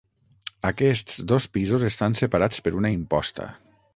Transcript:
Aquests dos pisos estan separats per una imposta.